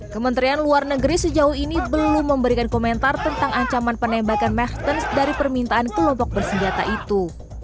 kementerian luar negeri sejauh ini belum memberikan komentar tentang ancaman penembakan mertens dari permintaan kelompok bersenjata itu